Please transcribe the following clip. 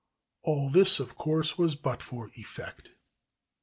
All this, of course, was but for effect.